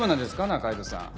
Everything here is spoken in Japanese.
仲井戸さん。